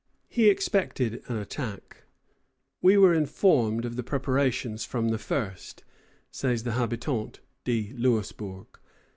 He expected an attack. "We were informed of the preparations from the first," says the Habitant de Louisburg.